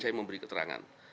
saya memberi keterangan